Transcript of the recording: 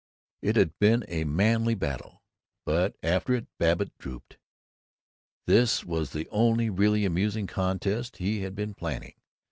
It had been a manly battle, but after it Babbitt drooped. This was the only really amusing contest he had been planning.